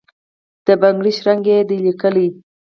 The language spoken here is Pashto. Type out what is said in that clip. د بنګړو شرنګ یې دی لېکلی،